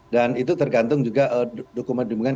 dan itu tergantung juga dokumen dihubungkan